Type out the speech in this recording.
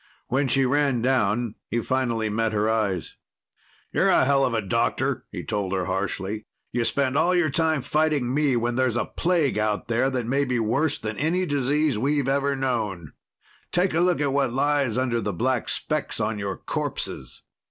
When she ran down, he finally met her eyes. "You're a helluva doctor," he told her harshly. "You spend all your time fighting me when there's a plague out there that may be worse than any disease we've ever known. Take a look at what lies under the black specks on your corpses.